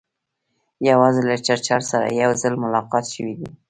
یوازې له چرچل سره یې یو ځل ملاقات شوی دی.